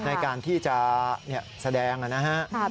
ในการที่จะแสดงนะครับ